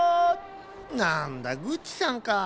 なんだグッチさんか。